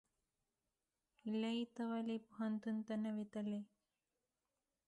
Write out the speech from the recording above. هیلۍ ته ولې پوهنتون ته نه وې تللې؟